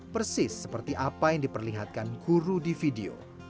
persis seperti apa yang diperlihatkan guru di video